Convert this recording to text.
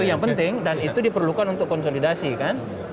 itu yang penting dan itu diperlukan untuk konsolidasi kan